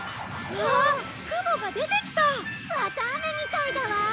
わあ雲が出てきた！綿あめみたいだわ！